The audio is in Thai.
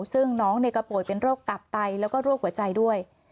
ซึ่งน้องก็ป่วยเป็นโรคตับไตแล้วก็โรคหัวใจด้วย